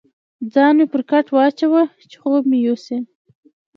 ځان مې پر کټ واچاوه، چې خوب مې یوسي.